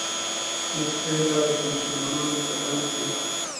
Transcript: نقشه یې دا ده چې مسلمانان په تنګ کړي.